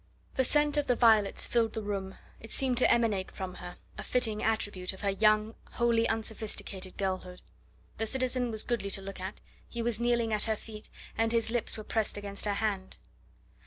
The scent of the violets filled the room. It seemed to emanate from her, a fitting attribute of her young, wholly unsophisticated girlhood. The citizen was goodly to look at; he was kneeling at her feet, and his lips were pressed against her hand.